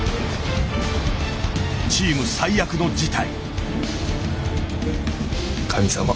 チーム最悪の事態。